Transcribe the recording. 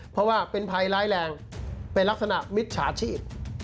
เพราะว่าเป็นภัยร้ายแรงเป็นลักษณะมิจฉาชีพ